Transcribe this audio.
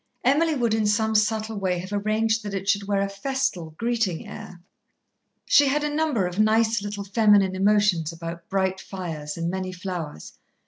Emily would in some subtle way have arranged that it should wear a festal, greeting air. She had a number of nice, little feminine emotions about bright fires and many flowers.